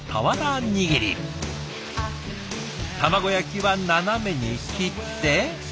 卵焼きは斜めに切って。